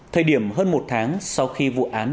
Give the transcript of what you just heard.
thời điểm hơn một tháng sau khi vụ án